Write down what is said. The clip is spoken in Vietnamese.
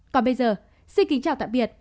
còn bây giờ xin kính chào tạm biệt